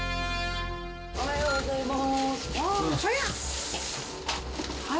おはようございます。